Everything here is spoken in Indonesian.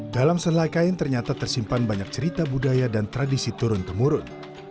dalam selai kain ternyata tersimpan banyak cerita budaya dan tradisi turun temurun